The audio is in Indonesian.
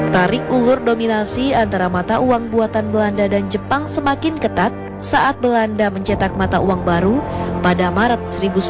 tarik ulur dominasi antara mata uang buatan belanda dan jepang semakin ketat saat belanda mencetak mata uang baru pada maret seribu sembilan ratus sembilan puluh